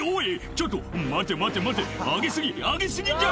ちょっと待て待て待て」「上げ過ぎ上げ過ぎじゃ！